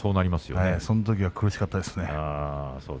そのときは苦しかったです。